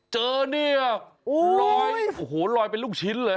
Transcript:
เจอเนี่ยลอยโอ้โหลอยเป็นลูกชิ้นเลย